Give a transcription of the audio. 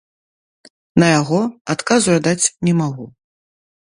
На яго адказу я даць не магу.